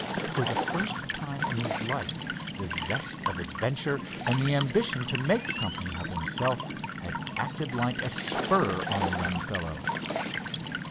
For the first time in his life, the zest of adventure and the ambition to make something of himself had acted like a spur on the young fellow.